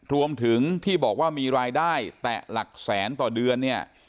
รวมถึงที่บอกว่ามีรายได้แต่หลักแสนต่อเดือนเนี่ย